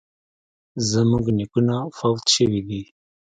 زموږ نیکونه فوت شوي دي